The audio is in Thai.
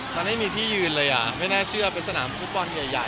มันไม่มีที่ยืนเลยอ่ะไม่น่าเชื่อเป็นสนามฟุตบอลใหญ่